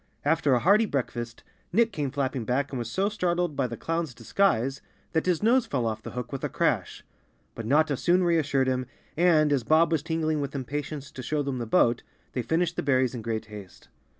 After a hearty breakfast, Nick came flapping back and was so startled by the clown's disguise that his nose fell off the hook with a 237 The Cowardly Lion of Oz crash. But Notta soon reassured him and, as Bob was tingling with impatience to show them the boat, they finished the berries in great haste.